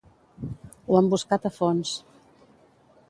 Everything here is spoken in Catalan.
Ho han buscat a fons.